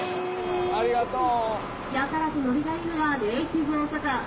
ありがとう。